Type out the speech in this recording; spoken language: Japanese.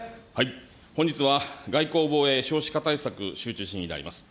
本日は外交・防衛、少子化対策、集中審議であります。